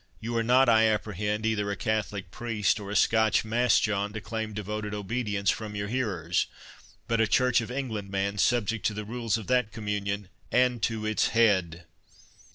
You are not, I apprehend, either a Catholic priest or a Scotch Mass John to claim devoted obedience from your hearers, but a Church of England man, subject to the rules of that Communion—and to its HEAD."